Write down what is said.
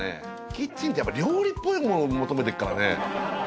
キッチンってやっぱ料理っぽいものを求めてるからね。